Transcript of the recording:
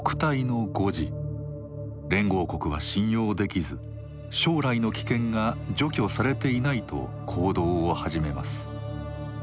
連合国は信用できず「将来の危険」が除去されていないと行動を始めます。